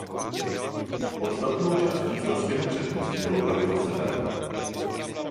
Podstatnou částí Slezského Předměstí je lokalita Sever.